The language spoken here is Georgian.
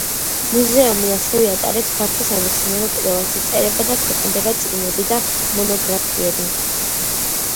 მუზეუმი ასევე ატარებს ფართო სამეცნიერო კვლევას, იწერება და ქვეყნდება წიგნები და მონოგრაფიები.